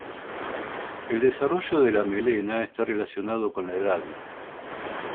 El desarrollo de la melena está relacionado con la edad.